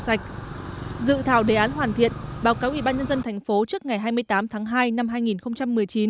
sạch dự thảo đề án hoàn thiện báo cáo ủy ban nhân dân thành phố trước ngày hai mươi tám tháng hai năm